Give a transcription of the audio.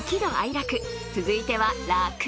楽続いては「楽」。